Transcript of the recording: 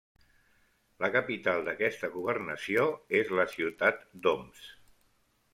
La capital d'aquesta governació és la ciutat d'Homs.